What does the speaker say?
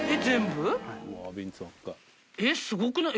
えっすごくない？